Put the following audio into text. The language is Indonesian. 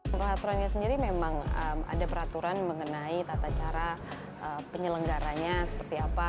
nah untuk aturan yang sendiri memang ada peraturan mengenai tata cara penyelenggaranya seperti apa